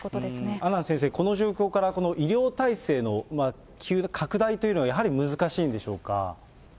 阿南先生、この状況から、この医療体制の拡大というのはやはり難しいんでしょうか。